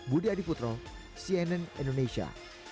budi adiputro cnn indonesia